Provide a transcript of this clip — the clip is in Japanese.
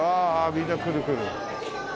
みんな来る来る。